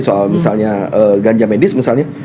soal misalnya ganja medis misalnya